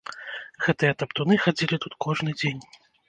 Гэтыя таптуны хадзілі тут кожны дзень.